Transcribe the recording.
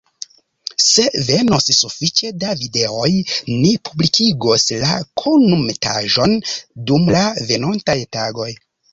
Se venos sufiĉe da videoj, ni publikigos la kunmetaĵon dum la venontaj tagoj.